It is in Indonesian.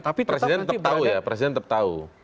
tapi presiden tetap tahu ya